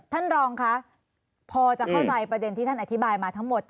ท่านรองค่ะพอจะเข้าใจประเด็นที่ท่านอธิบายมาทั้งหมด